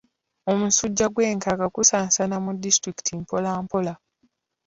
Omusujja gw'enkaka gusaasaana mu disitulikiti mpola mpola.